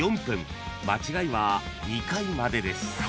［間違いは２回までです］